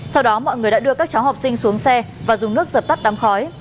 sau đó mọi người đã đưa các cháu học sinh xuống xe và dùng nước dập tắt đám khói